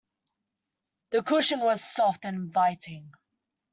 The cushion was soft and inviting.